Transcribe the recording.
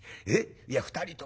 いや２人ともだ。